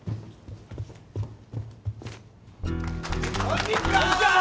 こんにちは！